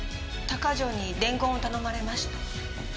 鷹城に伝言を頼まれました。